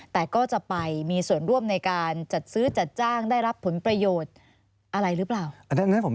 แต่ก็จะไปมีส่วนร่วมในการจัดซื้อจัดจ้างได้รับผลประโยชน์